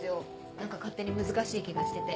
何か勝手に難しい気がしてて。